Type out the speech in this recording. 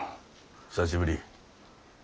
久しぶり。